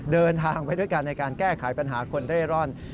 เดินทางไปด้วยกันในการแก้ไขปัญหาคนเร่ร่อน